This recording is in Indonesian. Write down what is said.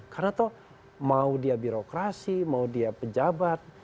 karena tau mau dia birokrasi mau dia pejabat